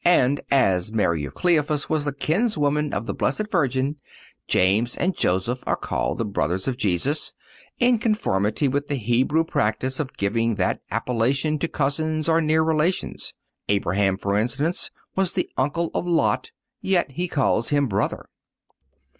And as Mary of Cleophas was the kinswoman of the Blessed Virgin, James and Joseph are called the brothers of Jesus, in conformity with the Hebrew practice of giving that appellation to cousins or near relations. Abraham, for instance, was the uncle of Lot, yet he calls him brother.